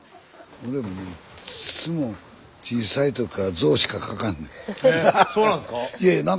俺いっつも小さい時からゾウしか描かんねん。